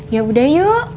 ya udah yuk